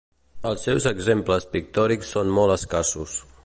Els seus exemples pictòrics són molt escassos.